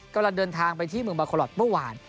กำลังเดินทางไปที่เมืองบาโคลอทเมื่อวาน